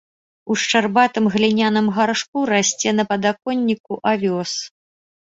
У шчарбатым гліняным гаршку расце на падаконніку авёс.